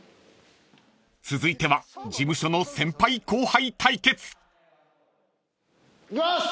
［続いては事務所の先輩後輩対決］いきます！